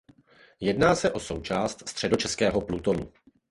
Jedná se o součást středočeského plutonu.